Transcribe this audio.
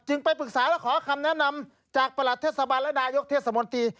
ไปปรึกษาและขอคำแนะนำจากประหลัดเทศบาลและนายกเทศมนตรี